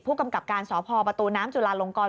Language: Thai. ผู้กำกับการสพประตูน้ำจุลาลงกร